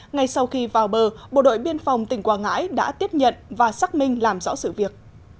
ngay sau khi vào bờ bộ đội biên phòng tỉnh quảng ngãi đã tiếp nhận và xác minh làm rõ sự việc